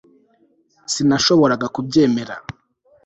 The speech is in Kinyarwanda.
Sinashoboraga kubyemera